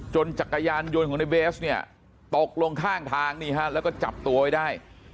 จักรยานยนต์ของในเบสเนี่ยตกลงข้างทางนี่ฮะแล้วก็จับตัวไว้ได้